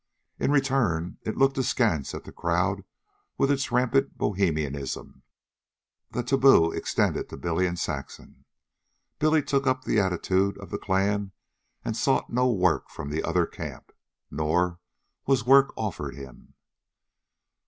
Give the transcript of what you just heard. In return, it looked askance at the crowd with its rampant bohemianism. The taboo extended to Billy and Saxon. Billy took up the attitude of the clan and sought no work from the other camp. Nor was work offered him.